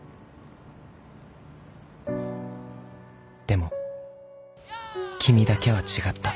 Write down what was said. ［でも君だけは違った］